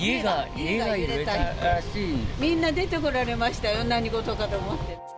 家が揺れたって、みんな出てこられましたよ、何事かと思って。